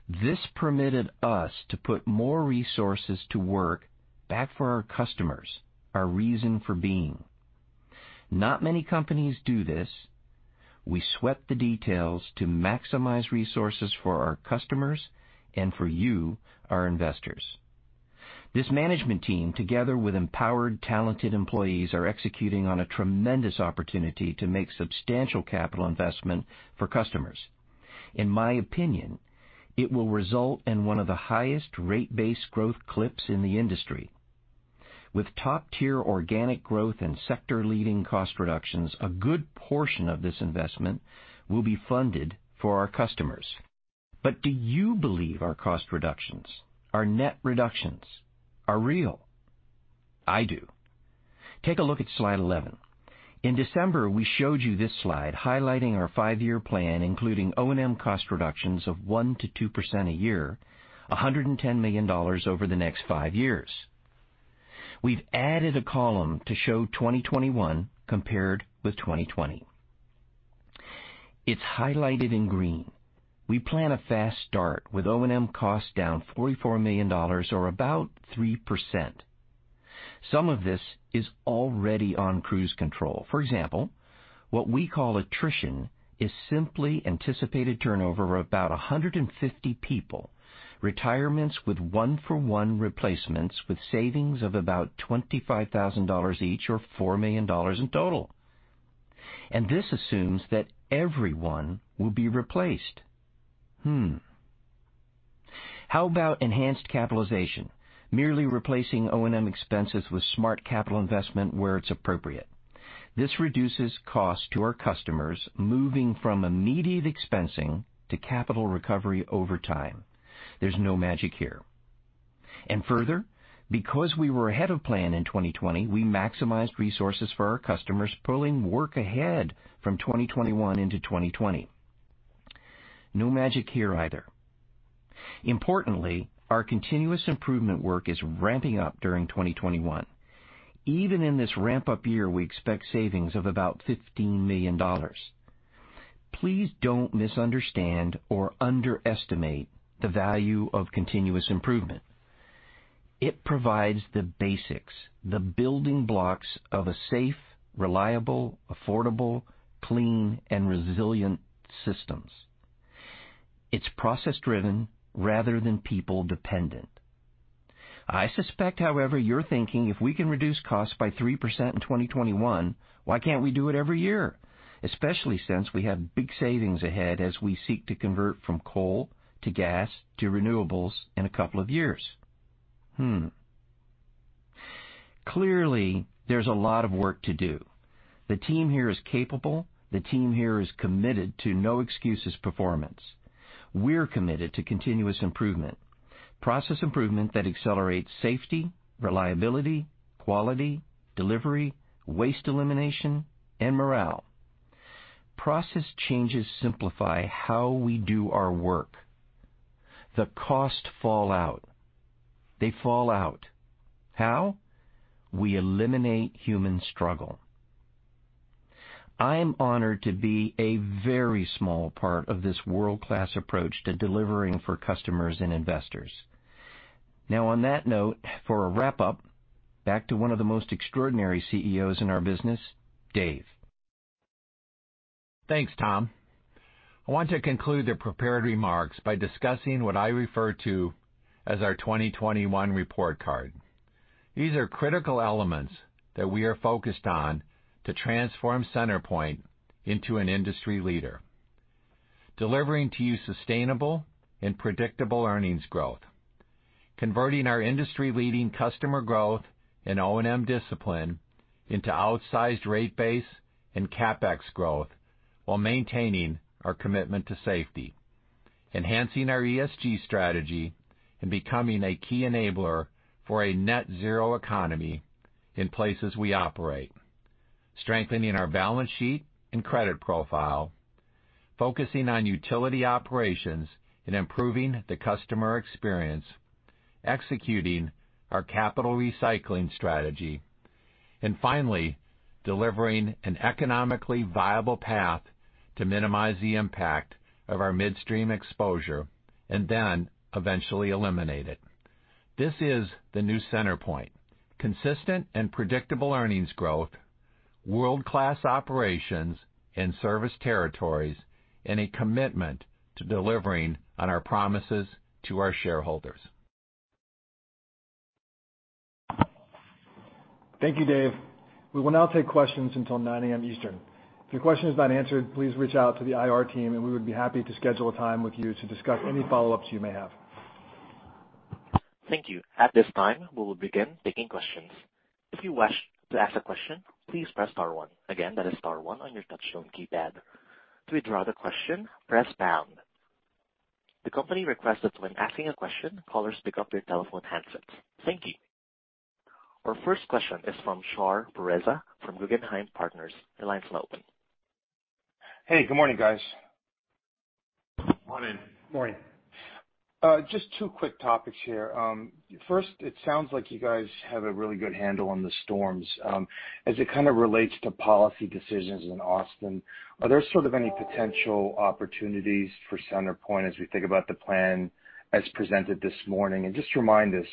This permitted us to put more resources to work back for our customers, our reason for being. Not many companies do this. We sweat the details to maximize resources for our customers and for you, our investors. This management team, together with empowered, talented employees, are executing on a tremendous opportunity to make substantial capital investments for customers. In my opinion, it will result in one of the highest rate-based growth clips in the industry. With top-tier organic growth and sector-leading cost reductions, a good portion of this investment will be funded for our customers. Do you believe our cost reductions, our net reductions, are real? I do. Take a look at slide 11. In December, we showed you this slide highlighting our five-year plan, including O&M cost reductions of 1%-2% a year, $110 million over the next five years. We've added a column to show 2021 compared with 2020. It's highlighted in green. We plan a fast start with O&M costs down $44 million, or about 3%. Some of this is already on cruise control. For example, what we call attrition is simply anticipated turnover of about 150 people, retirements with one-for-one replacements with savings of about $25,000 each, or $4 million in total. This assumes that everyone will be replaced. Hmm. How about enhanced capitalization? Merely replacing O&M expenses with smart capital investment where it's appropriate. This reduces cost to our customers, moving from immediate expensing to capital recovery over time. There's no magic here. Further, because we were ahead of plan in 2020, we maximized resources for our customers, pulling work ahead from 2021 into 2020. No magic here either. Importantly, our continuous improvement work is ramping up during 2021. Even in this ramp-up year, we expect savings of about $15 million. Please don't misunderstand or underestimate the value of continuous improvement. It provides the basics, the building blocks of a safe, reliable, affordable, clean, and resilient systems. It's process-driven rather than people-dependent. I suspect, however, you're thinking, if we can reduce costs by 3% in 2021, why can't we do it every year? Especially since we have big savings ahead as we seek to convert from coal to gas to renewables in a couple of years. Hmm. Clearly, there's a lot of work to do. The team here is capable. The team here is committed to no-excuses performance. We're committed to continuous improvement, process improvement that accelerates safety, reliability, quality, delivery, waste elimination, and morale. Process changes simplify how we do our work. The costs fall out. They fall out. How? We eliminate human struggle. I am honored to be a very small part of this world-class approach to delivering for customers and investors. Now, on that note, for a wrap-up, back to one of the most extraordinary CEOs in our business, Dave. Thanks, Tom. I want to conclude the prepared remarks by discussing what I refer to as our 2021 report card. These are critical elements that we are focused on to transform CenterPoint Energy into an industry leader. Delivering to you sustainable and predictable earnings growth. Converting our industry-leading customer growth and O&M discipline into outsized rate base and CapEx growth while maintaining our commitment to safety. Enhancing our ESG strategy and becoming a key enabler for a net zero economy in places we operate. Strengthening our balance sheet and credit profile. Focusing on utility operations and improving the customer experience. Executing our capital recycling strategy, and finally, delivering an economically viable path to minimize the impact of our midstream exposure and then eventually eliminate it. This is the new CenterPoint Energy: consistent and predictable earnings growth, world-class operations and service territories, and a commitment to delivering on our promises to our shareholders. Thank you, Dave. We will now take questions until 9:00 A.M. Eastern. If your question is not answered, please reach out to the IR team, and we would be happy to schedule a time with you to discuss any follow-ups you may have. Thank you. At this time we will begin taking questions. If you wish to ask a question, please press star one again; that is, star one on your touch-tone keypad. To withdraw your question, press pound. The company request that when asking a question, callers pick up your telephone handset. Thank you. Our first question is from Shar Pourreza from Guggenheim Partners. Your line's now open. Hey, good morning, guys. Morning. Morning. Just two quick topics here. First, it sounds like you guys have a really good handle on the storms. As it kind of relates to policy decisions in Austin, are there sort of any potential opportunities for CenterPoint as we think about the plan as presented this morning? Just remind us,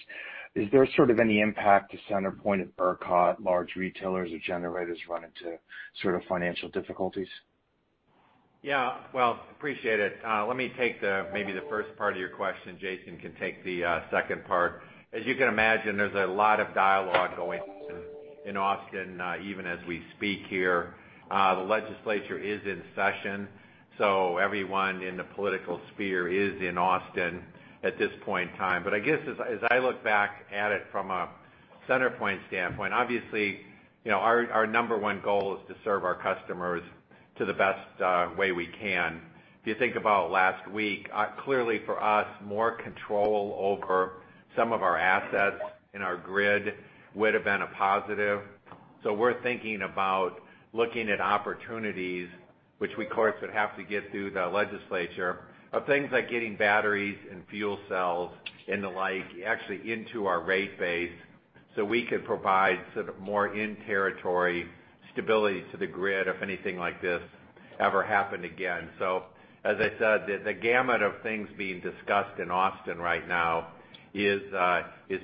is there sort of any impact to CenterPoint if ERCOT, large retailers, or generators run into sort of financial difficulties? Yeah. Well, appreciate it. Let me take maybe the first part of your question. Jason can take the second part. As you can imagine, there's a lot of dialogue going on in Austin even as we speak here. The legislature is in session, so everyone in the political sphere is in Austin at this point in time. I guess as I look back at it from a CenterPoint standpoint, obviously, our number one goal is to serve our customers to the best way we can. If you think about last week, clearly for us, more control over some of our assets and our grid would've been a positive. We're thinking about looking at opportunities, which of course, would have to get through the legislature, of things like getting batteries and fuel cells and the like actually into our rate base so we could provide sort of more in-territory stability to the grid if anything like this ever happened again. As I said, the gamut of things being discussed in Austin right now is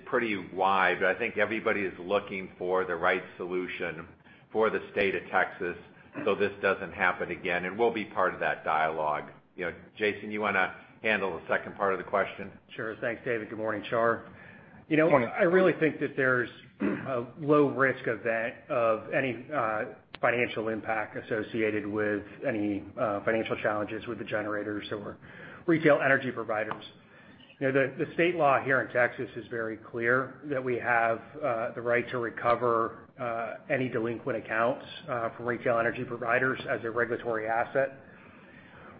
pretty wide, but I think everybody is looking for the right solution for the state of Texas so this doesn't happen again, and we'll be part of that dialogue. Jason, you want to handle the second part of the question? Sure. Thanks, Dave. Good morning, Shar. Morning. I really think that there's a low risk of any financial impact associated with any financial challenges with the generators or retail energy providers. The state law here in Texas is very clear that we have the right to recover any delinquent accounts from retail energy providers as a regulatory asset.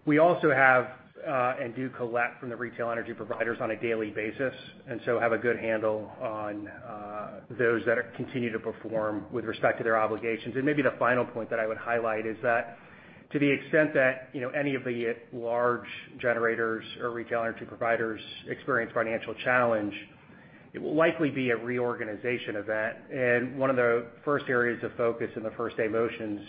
We also have and do collect from the retail energy providers on a daily basis and have a good handle on those that continue to perform with respect to their obligations. Maybe the final point that I would highlight is that to the extent that any of the large generators or retail energy providers experience financial challenge, it will likely be a reorganization event. One of the first areas of focus in the first-day motions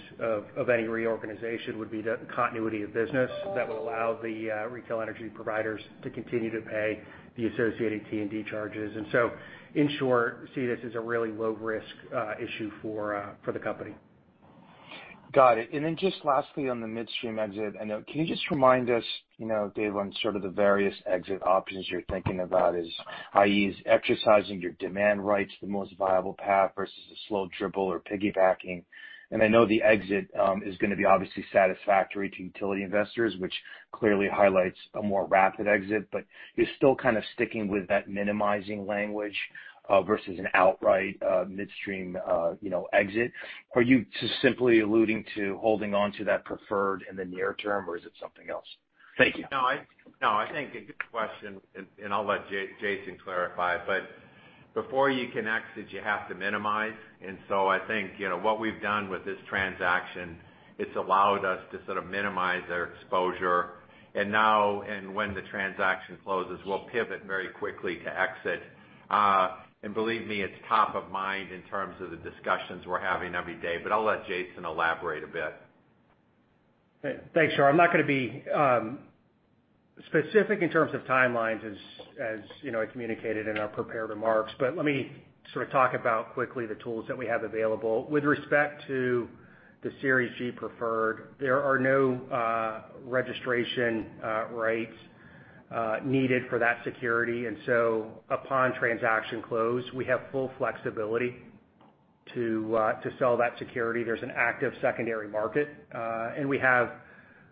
of any reorganization would be the continuity of business that would allow the retail energy providers to continue to pay the associated T&D charges. In short, we see this as a really low-risk issue for the company. Got it. Then just lastly, on the midstream exit. I know, can you just remind us, Dave, on sort of the various exit options you're thinking about is, i.e., is exercising your demand rights the most viable path versus a slow dribble or piggybacking? I know the exit is going to be obviously satisfactory to utility investors, which clearly highlights a more rapid exit, but you're still kind of sticking with that minimizing language versus an outright midstream exit. Are you just simply alluding to holding onto that preferred in the near term, or is it something else? Thank you. No. I think a good question. I'll let Jason clarify. Before you can exit, you have to minimize. I think, what we've done with this transaction, it's allowed us to sort of minimize our exposure. Now, when the transaction closes, we'll pivot very quickly to exit. Believe me, it's top of mind in terms of the discussions we're having every day. I'll let Jason elaborate a bit. Thanks, Shar. I'm not going to be specific in terms of timelines, as I communicated in our prepared remarks. Let me sort of talk about quickly the tools that we have available. With respect to the Series G preferred, there are no registration rights needed for that security. Upon transaction close, we have full flexibility to sell that security. There's an active secondary market, and we have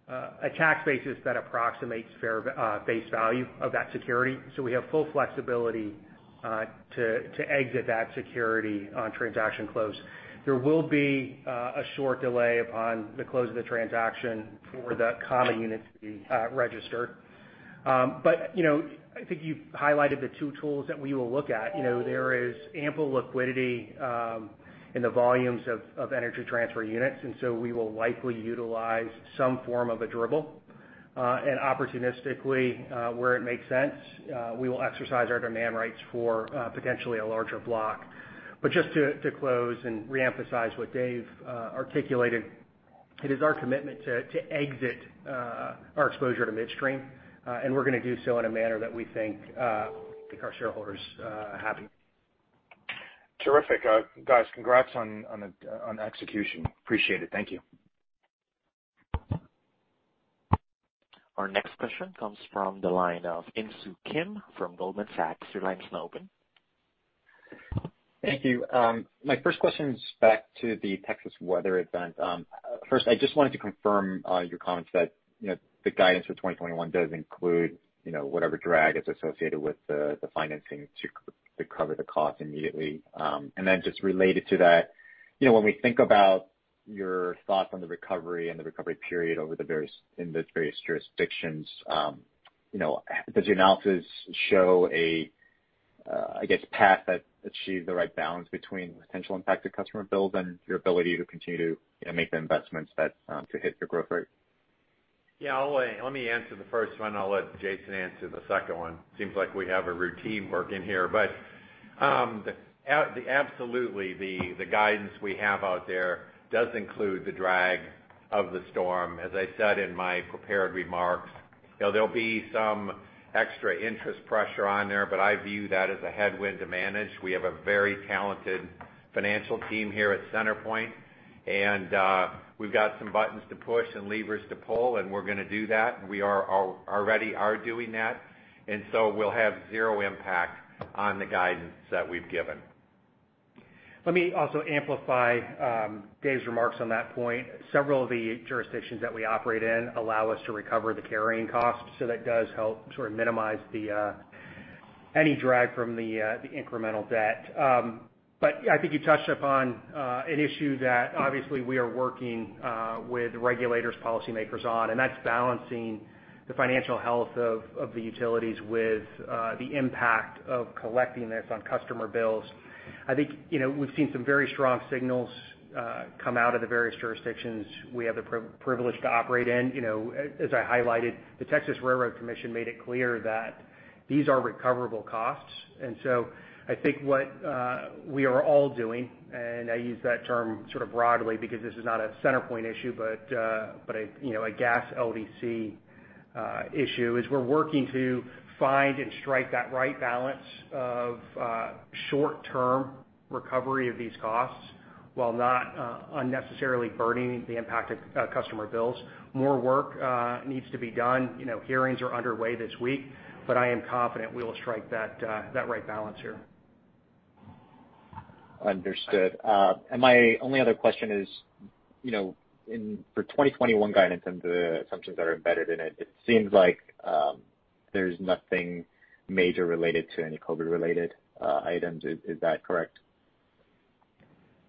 a tax basis that approximates fair base value of that security. We have full flexibility to exit that security on transaction close. There will be a short delay upon the close of the transaction for the common units to be registered. I think you've highlighted the two tools that we will look at. There is ample liquidity in the volumes of Energy Transfer units, and so we will likely utilize some form of a dribble. Opportunistically, where it makes sense, we will exercise our demand rights for potentially a larger block. Just to close and reemphasize what Dave articulated, it is our commitment to exit our exposure to midstream, and we're going to do so in a manner that we think our shareholders happy. Terrific. Guys, congrats on execution. Appreciate it. Thank you. Our next question comes from the line of Insoo Kim from Goldman Sachs. Your line is now open. Thank you. My first question is back to the Texas weather event. First, I just wanted to confirm your comments that the guidance for 2021 does include whatever drag is associated with the financing to cover the cost immediately. Just related to that, when we think about your thoughts on the recovery and the recovery period in these various jurisdictions, does the analysis show a, I guess, path that achieves the right balance between potential impact to customer bills and your ability to continue to make the investments to hit your growth rate? Yeah, let me answer the first one. I'll let Jason answer the second one. Seems like we have a routine working here. Absolutely, the guidance we have out there does include the drag of the storm. As I said in my prepared remarks, there'll be some extra interest pressure on there, but I view that as a headwind to manage. We have a very talented financial team here at CenterPoint, and we've got some buttons to push and levers to pull, and we're going to do that, and we already are doing that. We'll have zero impact on the guidance that we've given. Let me also amplify Dave's remarks on that point. Several of the jurisdictions that we operate in allow us to recover the carrying costs, so that does help sort of minimize any drag from the incremental debt. But I think you touched upon an issue that obviously we are working with regulators, policymakers on, and that's balancing the financial health of the utilities with the impact of collecting this on customer bills. I think we've seen some very strong signals come out of the various jurisdictions we have the privilege to operate in. As I highlighted, the Railroad Commission of Texas made it clear that these are recoverable costs. I think what we are all doing, and I use that term sort of broadly because this is not a CenterPoint issue but a gas LDC issue, is we're working to find and strike that right balance of short-term recovery of these costs while not unnecessarily burdening the impact of customer bills. More work needs to be done. Hearings are underway this week, but I am confident we will strike that right balance here. Understood. My only other question is, for 2021 guidance and the assumptions that are embedded in it seems like there's nothing major related to any COVID-related items. Is that correct?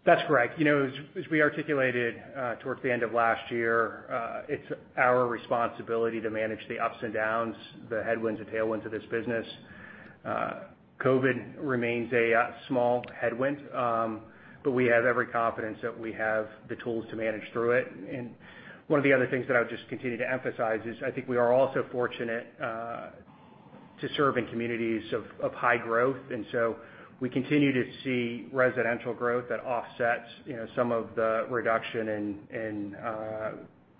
That's correct. As we articulated towards the end of last year, it's our responsibility to manage the ups and downs, the headwinds, and tailwinds of this business. COVID remains a small headwind, but we have every confidence that we have the tools to manage through it. One of the other things that I would just continue to emphasize is I think we are also fortunate to serve in communities of high growth, and so we continue to see residential growth that offsets some of the reduction in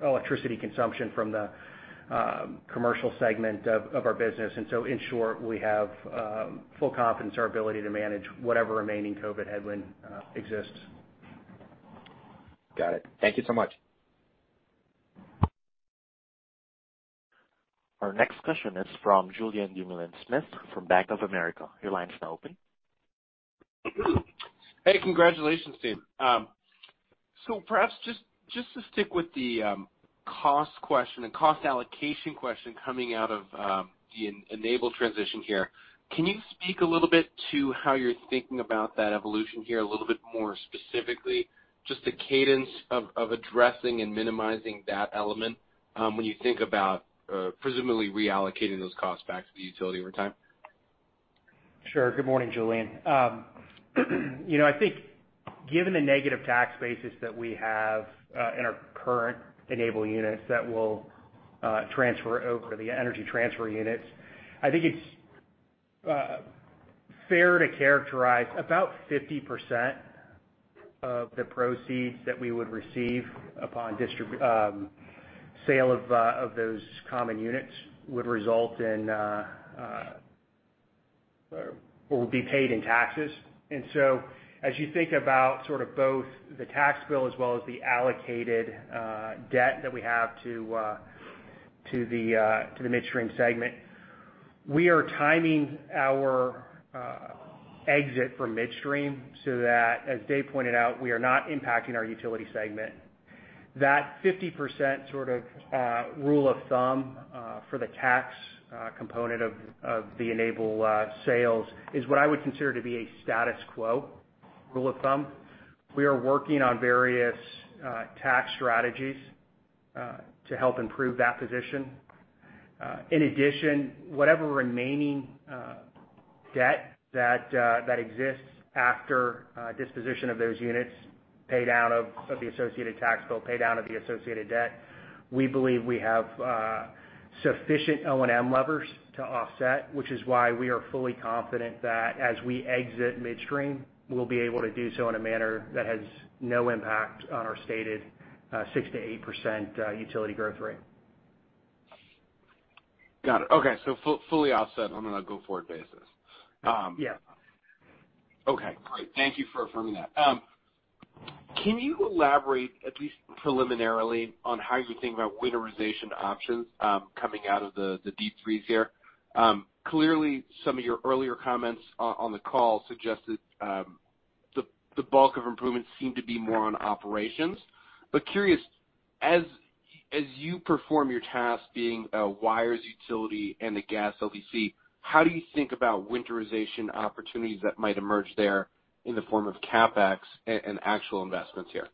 electricity consumption from the commercial segment of our business. In short, we have full confidence in our ability to manage whatever remaining COVID headwind exists. Got it. Thank you so much. Our next question is from Julien Dumoulin-Smith from Bank of America. Your line is now open. Hey, congratulations, team. Perhaps just to stick with the cost question, the cost allocation question coming out of the Enable transition here, can you speak a little bit to how you're thinking about that evolution here a little bit more specifically? Just the cadence of addressing and minimizing that element when you think about presumably reallocating those costs back to the utility over time. Sure. Good morning, Julien. I think given the negative tax basis that we have in our current Enable units that will transfer over the Energy Transfer units, I think it's fair to characterize about 50% of the proceeds that we would receive upon sale of those common units would result in will be paid in taxes. As you think about both the tax bill as well as the allocated debt that we have to the midstream segment, we are timing our exit from midstream so that, as Dave pointed out, we are not impacting our utility segment. That 50% rule of thumb for the tax component of the Enable sales is what I would consider to be a status quo rule of thumb. We are working on various tax strategies to help improve that position. Whatever remaining debt that exists after disposition of those units, pay down of the associated tax bill, pay down of the associated debt, we believe we have sufficient O&M levers to offset, which is why we are fully confident that as we exit midstream, we'll be able to do so in a manner that has no impact on our stated 6%-8% utility growth rate. Got it. Okay. Fully offset on a go-forward basis. Yeah. Okay, great. Thank you for affirming that. Can you elaborate at least preliminarily on how you think about winterization options coming out of the deep freeze here? Clearly, some of your earlier comments on the call suggested the bulk of improvements seem to be more on operations. Curious, as you perform your task being a wires utility and a gas LDC, how do you think about winterization opportunities that might emerge there in the form of CapEx and actual investments here?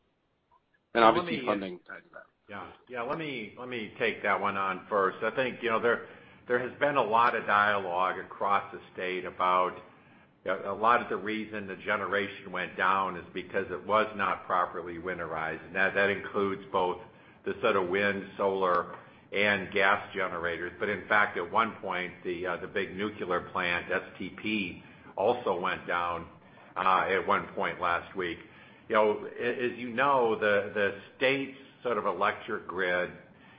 Obviously funding tied to that. Yeah. Let me take that one on first. I think there has been a lot of dialogue across the state about a lot of the reasons the generation went down is because it was not properly winterized, and that includes both the set of wind, solar, and gas generators. In fact, at one point, the big nuclear plant, STP, also went down at one point last week. As you know, the state's electric grid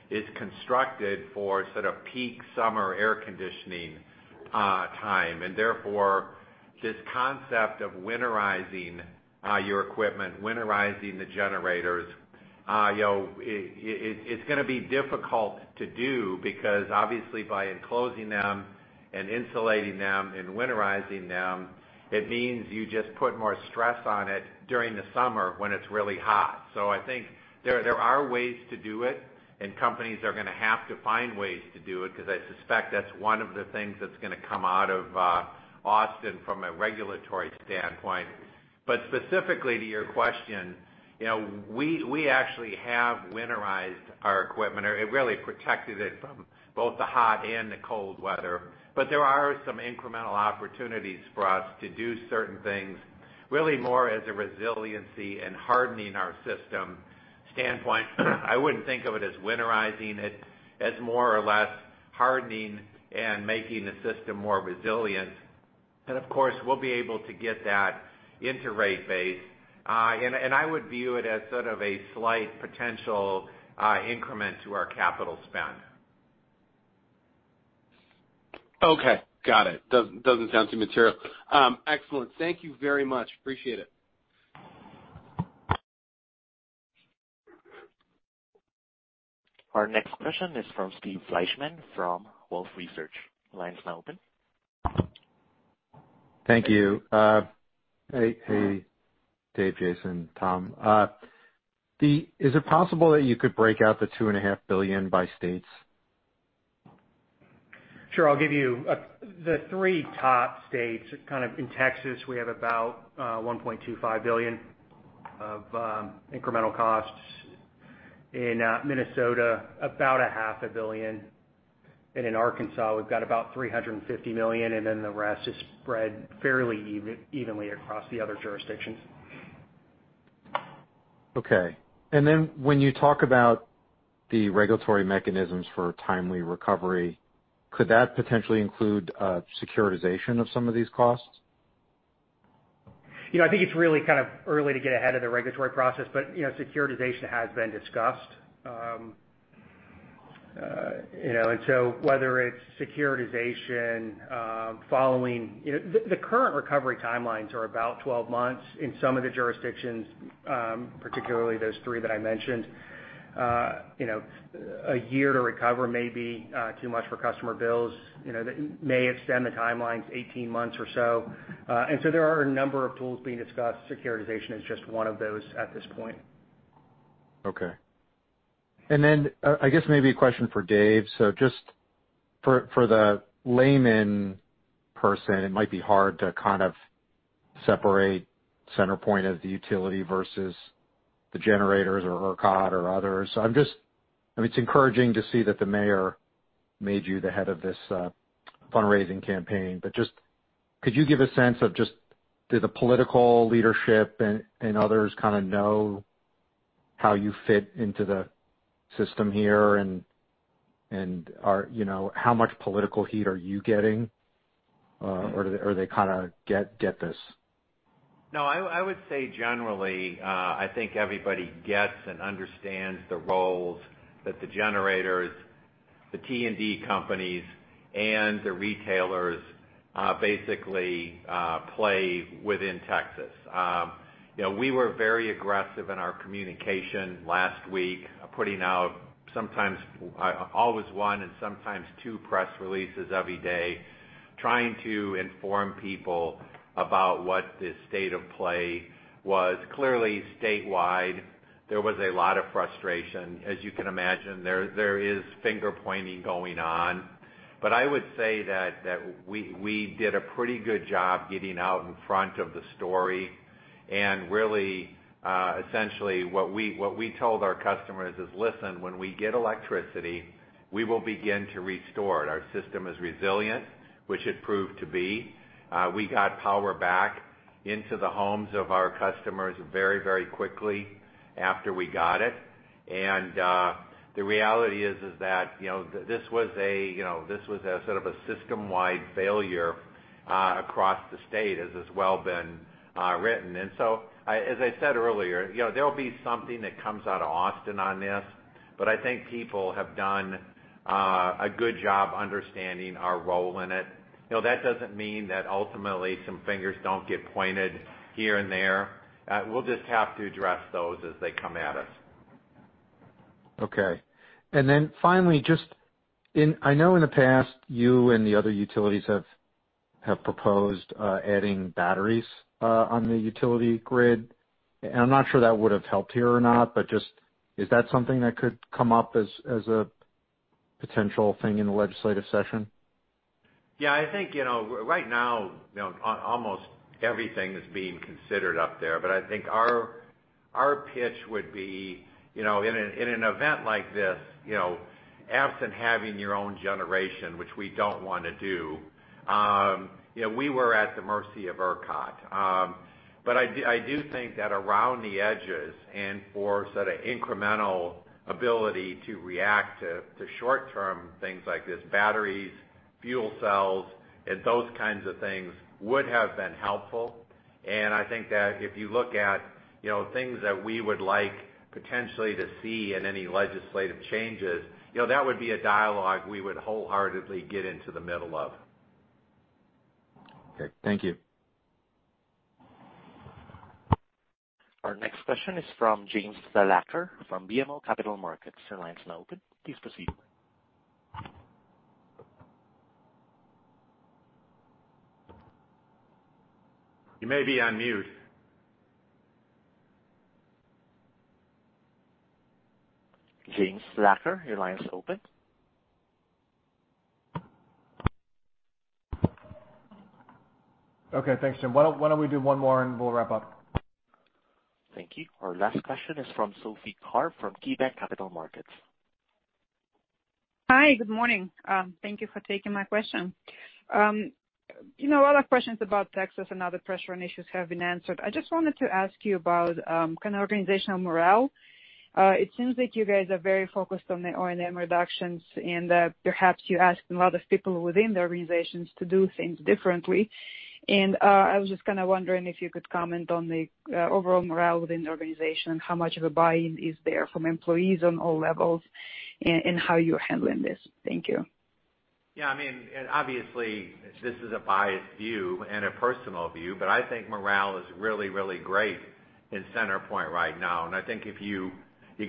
is constructed for peak summer air conditioning time; therefore, this concept of winterizing your equipment, winterizing the generators, it's going to be difficult to do because, obviously, by enclosing them and insulating them and winterizing them, it means you just put more stress on it during the summer when it's really hot. I think there are ways to do it, and companies are going to have to find ways to do it, because I suspect that's one of the things that's going to come out of Austin from a regulatory standpoint. Specifically to your question, we actually have winterized our equipment or really protected it from both the hot and the cold weather. There are some incremental opportunities for us to do certain things, really more as a resiliency and hardening our system standpoint. I wouldn't think of it as winterizing it, as more or less hardening and making the system more resilient. Of course, we'll be able to get that into rate base. I would view it as sort of a slight potential increment to our capital spend. Okay. Got it. Doesn't sound too material. Excellent. Thank you very much. Appreciate it. Our next question is from Steve Fleishman from Wolfe Research. Line is now open. Thank you. Hey, Dave, Jason, Tom. Is it possible that you could break out the $2.5 billion by states? Sure. I'll give you the three top states. In Texas, we have about $1.25 billion of incremental costs. In Minnesota, about a half a billion dollars. In Arkansas, we've got about $350 million. The rest is spread fairly evenly across the other jurisdictions. Okay. When you talk about the regulatory mechanisms for timely recovery, could that potentially include securitization of some of these costs? I think it's really kind of early to get ahead of the regulatory process; securitization has been discussed. Whether it's securitization, the current recovery timelines are about 12 months in some of the jurisdictions, particularly those three that I mentioned. A year to recover may be too much for customer bills. That may extend the timelines 18 months or so. There are a number of tools being discussed. Securitization is just one of those at this point. Okay. I guess maybe a question for Dave. Just for the layman person, it might be hard to separate CenterPoint as the utility versus the generators or ERCOT or others. It's encouraging to see that the mayor made you the head of this fundraising campaign. Could you give a sense of just, did the political leadership and others kind of know how you fit into the system here, and how much political heat are you getting, or they kind of get this? No, I would say generally, I think everybody gets and understands the roles that the generators, the T&D companies, and the retailers basically play within Texas. We were very aggressive in our communication last week, putting out always one and sometimes two press releases every day, trying to inform people about what this state of play was. Clearly, statewide, there was a lot of frustration. As you can imagine, there is finger-pointing going on. I would say that we did a pretty good job getting out in front of the story, and really, essentially what we told our customers is, "Listen, when we get electricity, we will begin to restore it." Our system is resilient, which it proved to be. We got power back into the homes of our customers very quickly after we got it. The reality is that this was a sort of a system-wide failure across the state, as has well been written. As I said earlier, there'll be something that comes out of Austin on this, but I think people have done a good job understanding our role in it. That doesn't mean that ultimately some fingers don't get pointed here and there. We'll just have to address those as they come at us. Okay. Finally, I know in the past, you and the other utilities have proposed adding batteries on the utility grid. I'm not sure that would've helped here or not, but just, is that something that could come up as a potential thing in the legislative session? Yeah, I think right now almost everything is being considered up there. I think our pitch would be, in an event like this, absent having your own generation, which we don't want to do; we were at the mercy of ERCOT. I do think that around the edges and for sort of incremental ability to react to short-term things like this, batteries, fuel cells, and those kinds of things would have been helpful. I think that if you look at things that we would like potentially to see in any legislative changes, that would be a dialogue we would wholeheartedly get into the middle of. Okay. Thank you. Our next question is from James Thalacker from BMO Capital Markets. Your line's now open. Please proceed. You may be on mute. James Thalacker, your line is open. Okay. Thanks, Jim. Why don't we do one more, and we'll wrap up. Thank you. Our last question is from Sophie Karp from KeyBanc Capital Markets. Hi. Good morning. Thank you for taking my question. A lot of questions about Texas and other pressures and issues have been answered. I just wanted to ask you about kind of organizational morale. It seems like you guys are very focused on the O&M reductions and that perhaps you're asking a lot of people within the organizations to do things differently. I was just kind of wondering if you could comment on the overall morale within the organization, how much of a buy-in is there from employees on all levels, and how you're handling this. Thank you. Obviously, this is a biased view and a personal view, but I think morale is really great in CenterPoint right now. I think you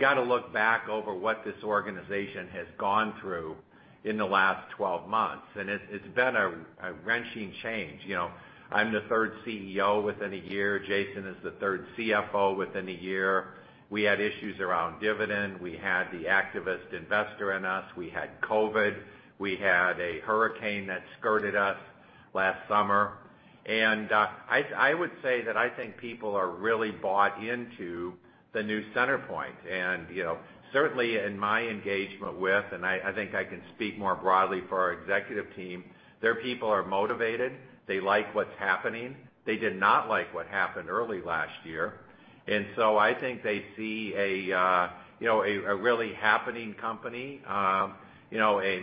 got to look back over what this organization has gone through in the last 12 months, and it's been a wrenching change. I'm the third CEO within a year. Jason is the third CFO within a year. We had issues around dividends. We had the activist investor in us. We had COVID. We had a hurricane that skirted us last summer. I would say that I think people are really bought into the new CenterPoint. Certainly, in my engagement with, and I think I can speak more broadly for our executive team, their people are motivated. They like what's happening. They did not like what happened early last year. I think they see a really happening company, a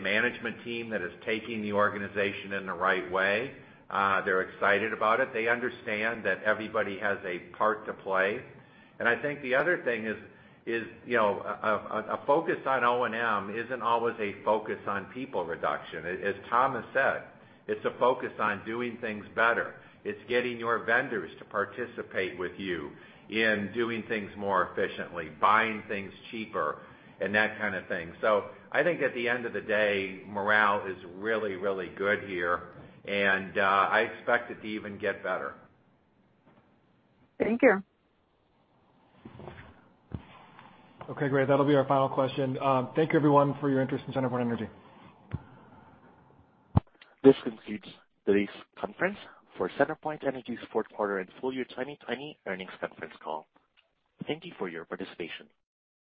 management team that is taking the organization in the right way. They're excited about it. They understand that everybody has a part to play. I think the other thing is a focus on O&M isn't always a focus on people reduction. As Tom has said, it's a focus on doing things better. It's getting your vendors to participate with you in doing things more efficiently, buying things cheaper, and that kind of thing. I think at the end of the day, morale is really good here, and I expect it to even get better. Thank you. Okay, great. That'll be our final question. Thank you everyone for your interest in CenterPoint Energy. This concludes today's conference for CenterPoint Energy's fourth quarter and full year 2020 earnings conference call. Thank you for your participation.